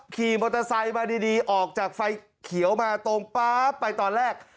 ขี่มอเตอร์ไซค์มาดีออกจากไฟเขียวมาตรงป๊าบไปตอนแรก